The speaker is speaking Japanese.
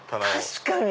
確かに！